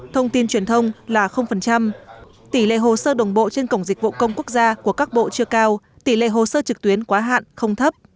thông tin truyền thông là tỷ lệ hồ sơ đồng bộ trên cổng dịch vụ công quốc gia của các bộ chưa cao tỷ lệ hồ sơ trực tuyến quá hạn không thấp